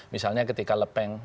misalnya ketika lepeng